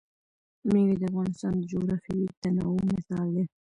مېوې د افغانستان د جغرافیوي تنوع مثال دی.